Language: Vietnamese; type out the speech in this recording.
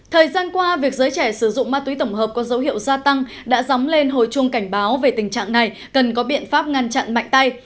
thời gian qua việc giới trẻ sử dụng ma túy tổng hợp có dấu hiệu gia tăng đã dóng lên hồi chuông cảnh báo về tình trạng này cần có biện pháp ngăn chặn mạnh tay